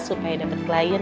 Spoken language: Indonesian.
supaya dapat klien